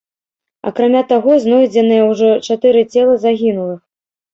Акрамя таго, знойдзеныя ўжо чатыры целы загінулых.